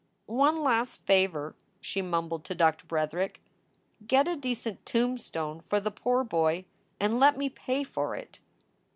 One last favor, she mumbled to Doctor Bretherick. Get a decent tombstone for the poor boy and let me pay for it."